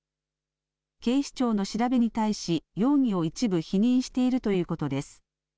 警視庁の調べに対し、容疑を一部否認しているということです。